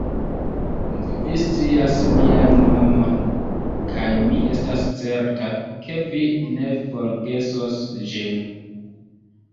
Vi scias mian nomon, kaj mi estas certa, ke vi ne forgesos ĝin.